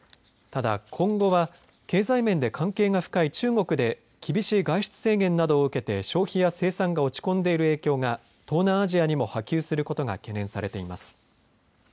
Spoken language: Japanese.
ただ、今後は経済面で関係が深い中国で厳しい外出制限などを受けて消費や生産が落ち込んでいる影響が東南アジアにも波及することが懸念されています。